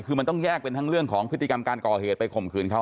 คือมันต้องแยกเป็นทั้งเรื่องของพฤติกรรมการก่อเหตุไปข่มขืนเขา